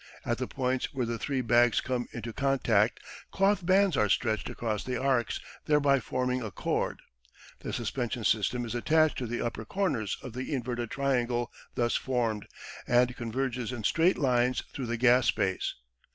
At the points where the three bags come into contact cloth bands are stretched across the arcs, thereby forming a cord. The suspension system is attached to the upper corners of the inverted triangle thus formed, and converges in straight lines through the gas space.